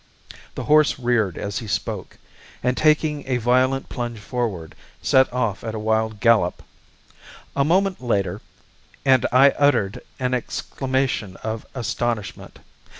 The horse reared as he spoke, and taking a violent plunge forward, set off at a wild gallop. A moment later, and I uttered an exclamation of astonishment.